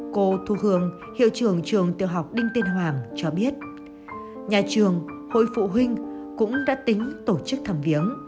cô thu hương hiệu trường trường tiểu học đinh tiên hoàng cho biết nhà trường hội phụ huynh cũng đã tính tổ chức thăm viếng